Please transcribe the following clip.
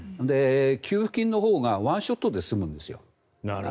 給付金のほうがワンショットで済むんですよ。